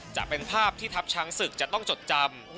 จะเป็นภาพที่ทัพช้างศึกจะต้องจดจำ